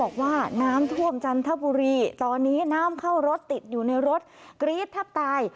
บอกว่าน้ำท่วมจันทบุรีตอนนี้น้ำเข้ารถติดอยู่ในรถกรี๊ดแทบตาย